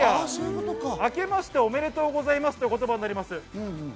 あけましておめでとうございますという言葉になります。